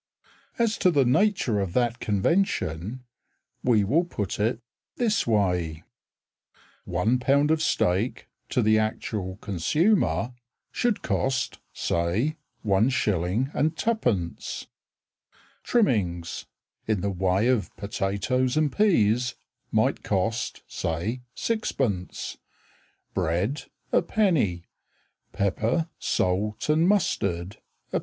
As to the nature of that convention We will put it this way: One pound of steak To the actual consumer Should cost, say, 1s. 2d. Trimmings In the way of potatoes and peas might cost, say, 6d., Bread, 1d., Pepper, salt, and mustard, 1d.